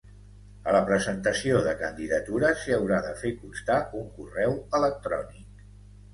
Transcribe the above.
A la presentació de candidatura, s'hi haurà de fer constar un correu electrònic.